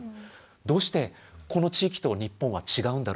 どうしてこの地域と日本は違うんだろう？